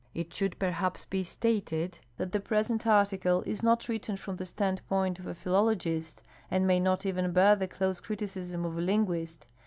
It should, perhaps, be stated that the ])resent article is not written from the standpoint of a philologist, and may not even bear the close criticism of a linguist.